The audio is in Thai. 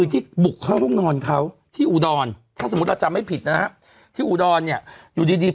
ได้ใบถ้าไหวคะอุ้ยจริงหาจริงซื้อได้ใบเท่าไรก็เกิน